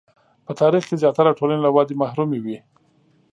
په تاریخ کې زیاتره ټولنې له ودې محرومې وې.